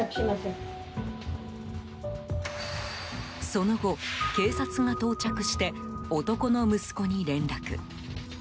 その後、警察が到着して男の息子に連絡。